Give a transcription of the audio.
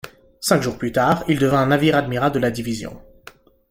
Cinq jours plus tard, il devint navire amiral de la Division.